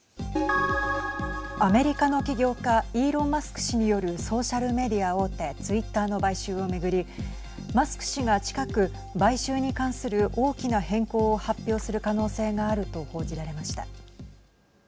アメリカの企業家イーロン・マスク氏によるソーシャルメディア大手ツイッターの買収を巡りマスク氏が近く買収に関する大きな変更を発表する可能性があると報じられました。